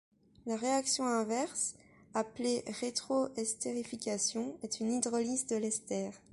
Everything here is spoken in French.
La réaction inverse, appelée rétro-estérification est une hydrolyse de l'ester.